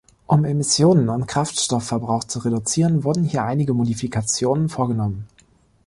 Um Emissionen und Kraftstoffverbrauch zu reduzieren, wurden hier einige Modifikationen vorgenommen.